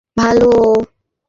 কিন্তু একটা ব্যাপার, স্যার।